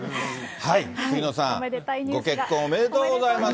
杉野さん、ご結婚おめでとうございます。